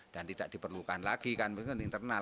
dan tidak diperlukan lagi kan internal